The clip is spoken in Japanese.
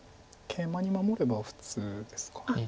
ケイマに守れば普通ですか。